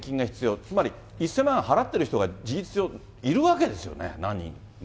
つまり、１０００万円払っている人が事実上、いるわけですよね、何人も。